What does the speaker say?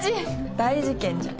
大事件じゃん。